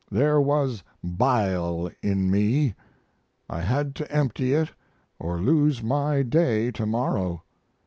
There was bile in me. I had to empty it or lose my day to morrow.